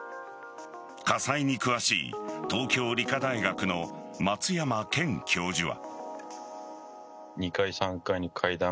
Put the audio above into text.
火災に詳しい、東京理科大学の松山賢教授は。